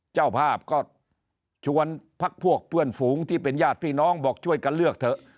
เจ้าภาพก็ชวนพักพวกเพื่อนฝูงที่เป็นญาติพี่น้องบอกช่วยกันเลือกเถอะ